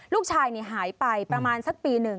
ลูกชายหายไปประมาณสักปีหนึ่ง